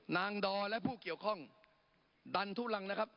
ดอและผู้เกี่ยวข้องดันทุลังนะครับ